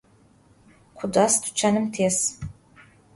Khudas tuçanım tês.